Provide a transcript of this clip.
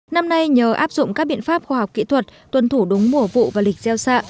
năm nay nhờ áp dụng các biện pháp khoa học kỹ thuật tuân thủ đúng mùa vụ và lịch gieo xạ